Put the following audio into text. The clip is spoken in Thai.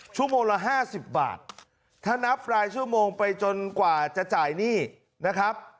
ชั่วโมงละ๕๐บาทถ้านับรายชั่วโมงไปจนกว่าจะจ่ายหนี้นะครับ